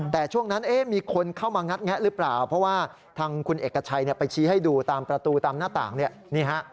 แต่ช่วงนั้นมีคนเข้ามางัดแงะหรือเปล่าเพราะว่าทางคุณเอกชัยไปชี้ให้ดูตามประตูตามหน้าต่างเนี่ยนี่ฮะ